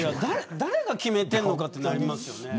誰が決めてんのかとなりますよね。